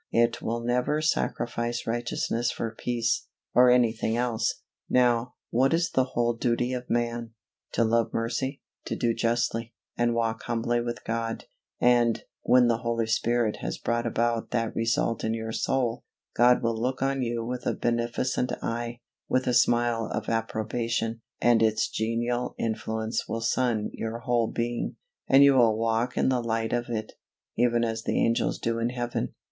It will never sacrifice righteousness for peace, or anything else. Now, what is the whole duty of man? To love mercy, to do justly, and walk humbly with God; and, when the Holy Spirit has brought about that result in your soul, God will look on you with a beneficent eye, with a smile of approbation, and its genial influence will sun your whole being, and you will walk in the light of it, even as the angels do in Heaven.